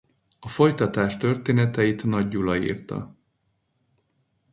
A folytatás történeteit Nagy Gyula írta.